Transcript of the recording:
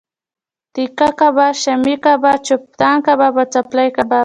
تیکه کباب، شامی کباب، چوپان کباب او چپلی کباب